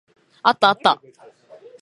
あったあった。